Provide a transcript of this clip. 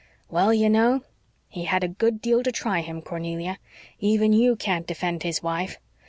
"Well, you know, he had a good deal to try him, Cornelia. Even you can't defend his wife.